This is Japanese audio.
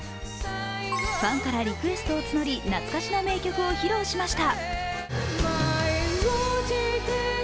ファンからリクエストを募り懐かしの名曲を披露しました。